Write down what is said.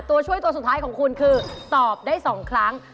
ตัวช่วยตัวสุดท้ายของคุณคือตอบได้๒ครั้ง